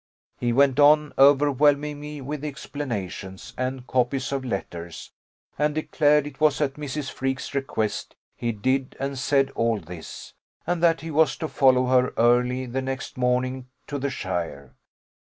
He went on over whelming me with explanations and copies of letters; and declared it was at Mrs. Freke's request he did and said all this, and that he was to follow her early the next morning to shire.